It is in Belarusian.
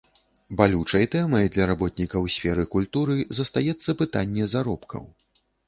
Балючай тэмай для работнікаў сферы культуры застаецца пытанне заробкаў.